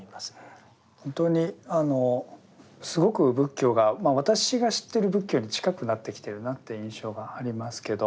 本当にあのすごく仏教が私が知ってる仏教に近くなってきてるなって印象がありますけど。